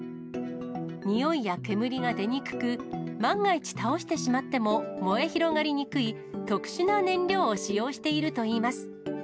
臭いや煙が出にくく、万が一倒してしまっても燃え広がりにくい特殊な燃料を使用しているといいます。